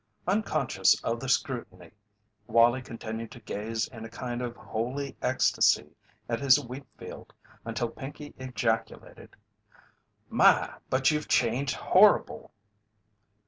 Unconscious of the scrutiny, Wallie continued to gaze in a kind of holy ecstasy at his wheat field until Pinkey ejaculated: "My, but you've changed horrible!"